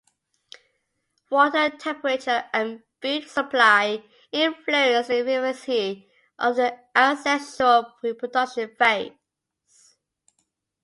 Water temperature and food supply influence the efficiency of the asexual reproduction phase.